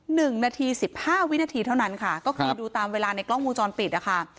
หนึ่งนาทีสิบห้าวินาทีเท่านั้นค่ะก็คือดูตามเวลาในกล้องวงจรปิดนะคะ